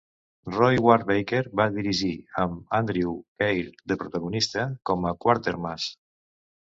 Roy Ward Baker va dirigir, amb Andrew Keir de protagonista com a Quatermass.